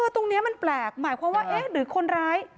ตรงนี้มันแปลกหมายความว่าเอ๊ะหรือคนร้าย